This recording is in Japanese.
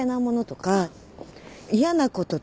嫌なこと？